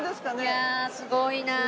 いやあすごいなあ。